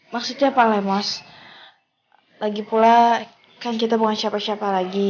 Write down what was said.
maksudnya pak lemos lagi pula kan kita bukan siapa siapa lagi